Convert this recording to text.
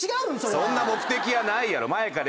そんな目的はないやろ。